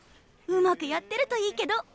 うまくやってるといいけど。